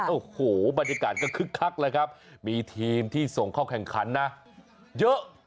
โอ้โหบรรยากาศก็คึกคักเลยครับมีทีมที่ส่งเข้าแข่งขันนะเยอะ